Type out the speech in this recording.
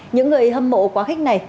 những người hâm mộ quá khích này